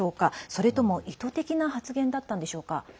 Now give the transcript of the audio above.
それとも、意図的な発言だったんでしょうか？